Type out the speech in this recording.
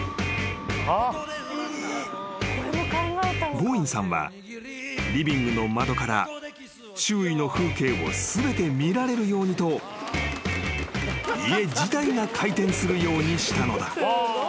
［ボーインさんはリビングの窓から周囲の風景を全て見られるようにと家自体が回転するようにしたのだ］